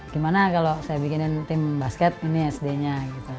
gimana kalau saya bikinin tim basket ini sd nya gitu